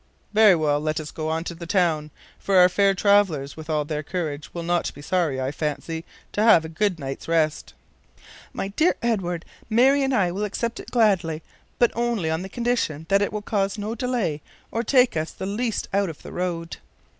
"Very well; let us get on to the town, for our fair travelers, with all their courage, will not be sorry, I fancy, to have a good night's rest." "My dear Edward, Mary and I will accept it gladly, but only on the condition that it will cause no delay, or take us the least out of the road."